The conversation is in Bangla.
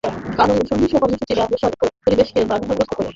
কারণ, সহিংস কর্মসূচি ব্যবসার পরিবেশকে বাধাগ্রস্ত করে।